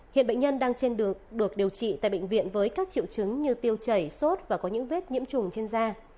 hiện bệnh nhân đang trên được điều trị tại bệnh viện với các triệu chứng như tiêu chảy sốt và có những vết nhiễm trùng trên da